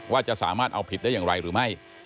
ว่าจะสามารถเอาผิดได้อย่างไรหรือไม่